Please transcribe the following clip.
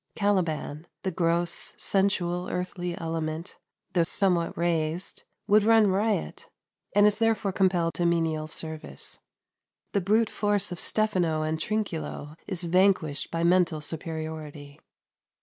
Caliban, the gross, sensual, earthly element though somewhat raised would run riot, and is therefore compelled to menial service. The brute force of Stephano and Trinculo is vanquished by mental superiority.